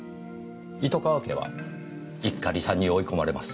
糸川家は一家離散に追い込まれます。